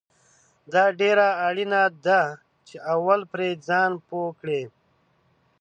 دا ډیره اړینه ده چې اول پرې ځان پوه کړې